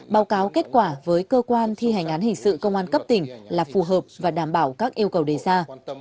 báo cáo kết quả với cơ quan thi hành án hình sự công an cấp tỉnh là phù hợp và đảm bảo các yêu cầu đề ra